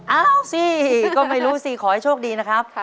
เอาสิก็ไม่รู้สิขอให้โชคดีนะครับ